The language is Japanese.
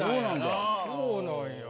そうなんやな。